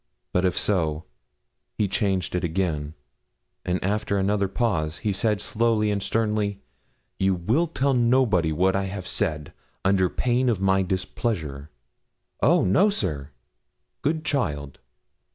But if so, he changed it again; and after another pause, he said slowly and sternly 'You will tell nobody what I have said, under pain of my displeasure.' 'Oh! no, sir!' 'Good child!'